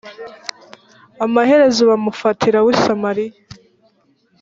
amaherezo bamufatira w i samariya